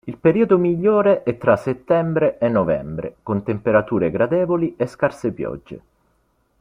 Il periodo migliore è tra settembre e novembre, con temperature gradevoli e scarse piogge.